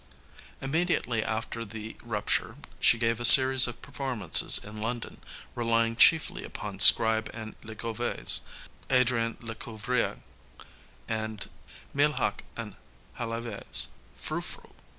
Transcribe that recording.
802 Immediately after the rupture she gave a series of performances in London, relying chiefly upon Scribe and Legouvé's Adrienne Lecouvreur and Meilhac and Halévy's Frou Frou.